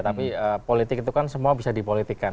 tapi politik itu kan semua bisa dipolitikan